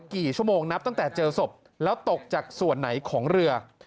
กี่ชั่วโมงนับตั้งแต่เจอศพแล้วตกจากส่วนไหนของเรือ